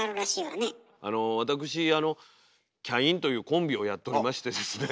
あの私キャインというコンビをやっておりましてですね